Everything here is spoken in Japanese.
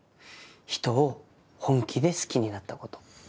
人を本気で好きになったこと。